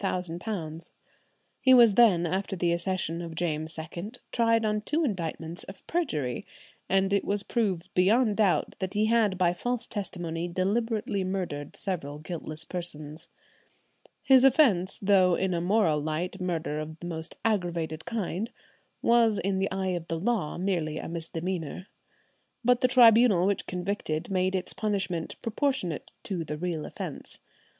He was then, after the accession of James II, tried on two indictments of perjury, and it was proved beyond doubt that he had by false testimony deliberately murdered several guiltless persons. "His offence, though in a moral light murder of the most aggravated kind, was in the eye of the law merely a misdemeanour." But the tribunal which convicted made its punishment proportionate to the real offence.